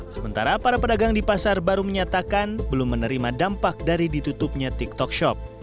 sementara para pedagang di pasar baru menyatakan belum menerima dampak dari ditutupnya tiktok shop